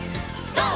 ＧＯ！